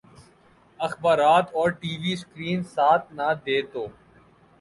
اخبارات اور T V screen ساتھ نہ دے تو